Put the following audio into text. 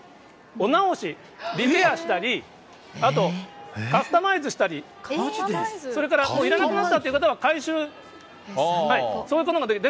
お直し、リペアしたり、あと、カスタマイズしたり、それからいらなくなったという方は回収、そういうことができる。